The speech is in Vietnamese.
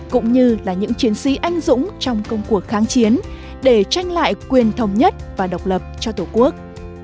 cũng như là những chiến sĩ anh dũng trong công cuộc kháng chiến để tranh lại quyền thống nhất và độc lập cho tổ quốc